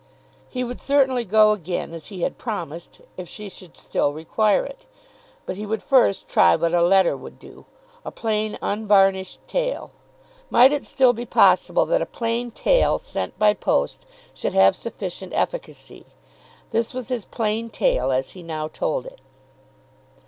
He would certainly go again, as he had promised, if she should still require it; but he would first try what a letter would do, a plain unvarnished tale. Might it still be possible that a plain tale sent by post should have sufficient efficacy? This was his plain tale as he now told it.